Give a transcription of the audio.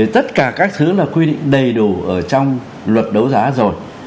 tất cả các thứ là quy định đầy đủ ở trong luật đấu giá rồi